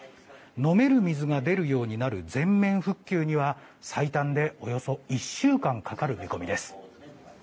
飲める水が出るようになる全面復旧には最短でおよそ１週間かかる見込みです。